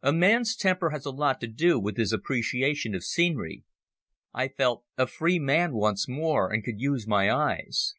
A man's temper has a lot to do with his appreciation of scenery. I felt a free man once more, and could use my eyes.